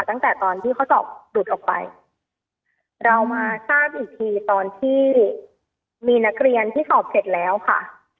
ตั้งแต่ตอนที่เขาสอบหลุดออกไปเรามาทราบอีกทีตอนที่มีนักเรียนที่สอบเสร็จแล้วค่ะ